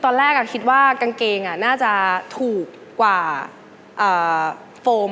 ตอนแรกคิดว่ากางเกงน่าจะถูกกว่าโฟม